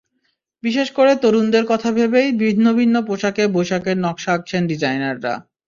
বিশেষ করে তরুণদের কথা ভেবেই ভিন্ন ভিন্ন পোশাকে বৈশাখের নকশা আঁকছেন ডিজাইনাররা।